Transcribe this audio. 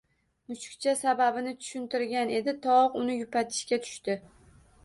Mushukcha sababini tushuntirgan edi, tovuq uni yupatishga tushdi